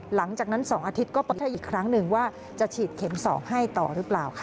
หลังจากนั้น๒อาทิตย์ก็เปิดให้อีกครั้งหนึ่งว่าจะฉีดเข็ม๒ให้ต่อหรือเปล่าค่ะ